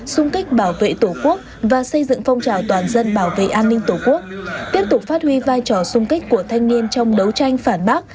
xung kích bảo vệ tổ quốc và xây dựng phong trào toàn dân bảo vệ an ninh tổ quốc tiếp tục phát huy vai trò sung kích của thanh niên trong đấu tranh phản bác